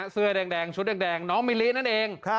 เสื้อแดงชุดแดงน้องมิลินั่นเอง